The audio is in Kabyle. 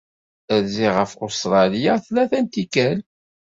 Rziɣ ɣef Ustṛalya tlata n tikkal.